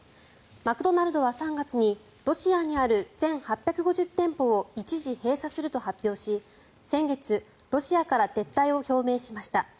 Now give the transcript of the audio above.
マクドナルドは３月にロシアにある全８５０店舗を一時閉鎖すると発表し先月、ロシアから撤退を表明しました。